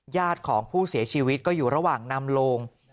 ญาติของผู้เสียชีวิตก็อยู่ระหว่างนำโลง